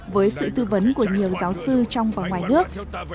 với sự tư vấn của nhiều giáo sư trong và ngoài nước